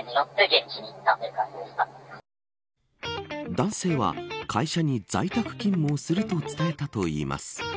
男性は会社に在宅勤務をすると伝えたといいます。